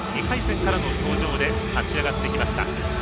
２回戦からの登場で勝ち上がってきました。